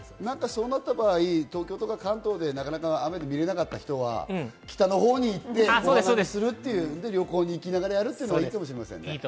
そうなった場合、東京や関東でなかなか雨で見れなかった人は、北の方に行って、お花見するっていう旅行に行きながらやるのはいいかもしれませんね。